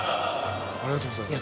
ありがとうございます。